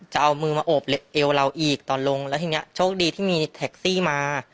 จะเอามือมาโอบเอวเราอีกตอนลงแล้วทีนี้โชคดีที่มีแท็กซี่มา